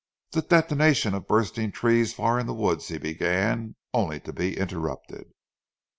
"The detonation of bursting trees far in the wood," he began, only to be interrupted.